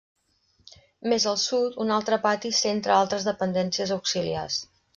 Més al sud, un altre pati centra altres dependències auxiliars.